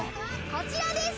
こちらです。